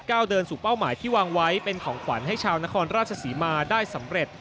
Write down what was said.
ก้าวเดินสู่เป้าหมายที่วางไว้เป็นของขวัญให้ชาวนครราชศรีมาได้สำเร็จ